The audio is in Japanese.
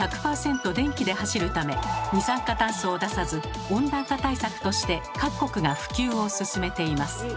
電気で走るため二酸化炭素を出さず温暖化対策として各国が普及を進めています。